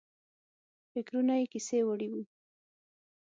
فکرونه یې کیسې وړي وو.